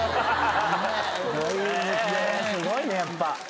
すごいねやっぱ。